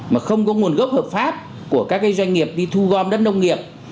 mà không có nguồn gốc hợp pháp của các doanh nghiệp đi thu gom đất nông nghiệp